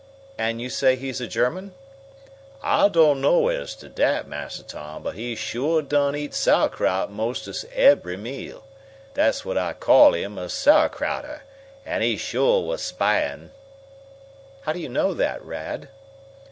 "And you say he's a German?" "I don't know as to dat, Massa Tom, but he suah done eat sauerkraut 'mostest ebery meal. Dat's whut I call him a Sauerkrauter! An' he suah was spyin'." "How do you know that, Rad?"